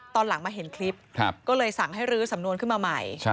ตอนหลังมาเห็นคลิปก็เลยสั่งให้รื้อสำนวนขึ้นมาใหม่